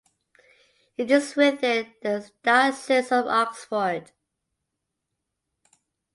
It is within the Diocese of Oxford.